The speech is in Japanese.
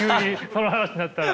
その話になったら。